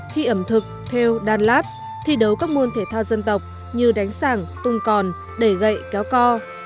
thi ẩm thực theo đan lát thi đấu các môn thể thao dân tộc như đánh sảng tung còn đẩy gậy kéo co